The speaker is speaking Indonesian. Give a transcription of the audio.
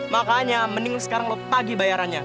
makanya mending sekarang lo tagih bayarannya